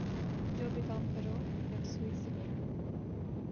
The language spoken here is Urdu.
جو بھی کام کرو یکسوئی سے کرو۔